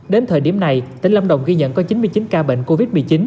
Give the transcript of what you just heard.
đến thời điểm này tỉnh lâm đồng ghi nhận có chín mươi chín ca bệnh covid một mươi chín